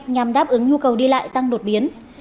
nhằm đáp ứng nhu cầu đi lại tăng đột biến